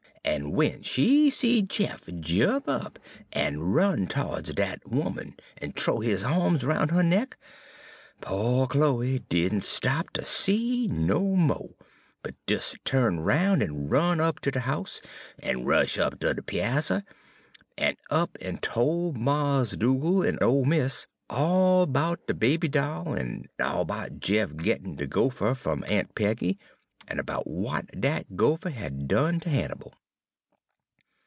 En w'en she seed Jeff jump up en run to'ds dat 'oman, en th'ow his a'ms roun' her neck, po' Chloe did n' stop ter see no mo', but des tu'nt roun' en run up ter de house, en rush' up on de piazzer, en up en tol' Mars' Dugal' en ole mis' all 'bout de baby doll, en all 'bout Jeff gittin' de goopher fum Aun' Peggy, en 'bout w'at de goopher had done ter Hannibal.